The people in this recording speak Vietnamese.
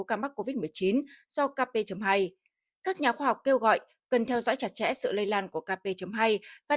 ca mắc covid một mươi chín do kp hai các nhà khoa học kêu gọi cần theo dõi chặt chẽ sự lây lan của kp hai và